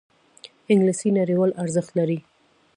انګلیسي نړیوال ارزښت لري